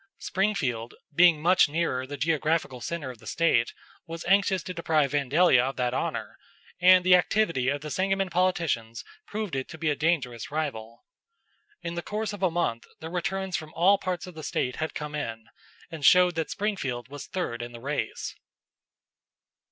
Springfield, being much nearer the geographical center of the State, was anxious to deprive Vandalia of that honor, and the activity of the Sangamon politicians proved it to be a dangerous rival. In the course of a month the returns from all parts of the State had come in, and showed that Springfield was third in the race.